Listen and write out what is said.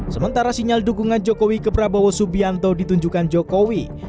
sementara sinyal dukungan jokowi ke prabowo subianto ditunjukkan jokowi